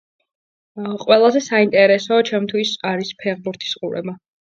აა.. ყველაზე საინტერესო ჩემთვის არის ფეხბურთის ყურება